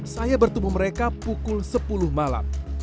saya bertemu mereka pukul sepuluh malam